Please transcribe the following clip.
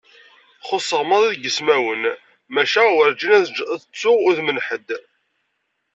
Xuṣṣeɣ maḍi deg ismawen, maca werǧin ad ttuɣ udem n ḥedd.